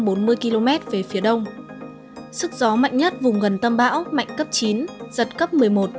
trên khu vực phía nam đảo luzon philippines sức gió mạnh nhất vùng gần tâm bão mạnh cấp chín giật cấp một mươi một